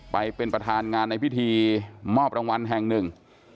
ไปเป็นประธานงานในพิธีมอบรางวัลแห่งหนึ่ง